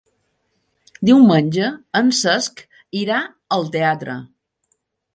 Diumenge en Cesc irà al teatre.